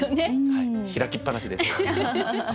はい開きっぱなしです。